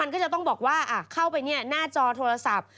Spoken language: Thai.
เข้าไปหน้าจอโทรศัพท์